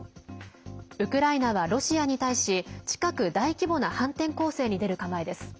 ウクライナはロシアに対し近く大規模な反転攻勢に出る構えです。